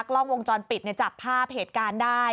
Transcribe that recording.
กล้องวงจรปิดจับภาพเหตุการณ์ได้